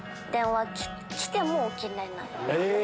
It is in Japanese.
え！